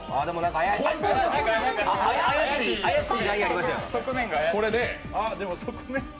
怪しいラインありましたよ。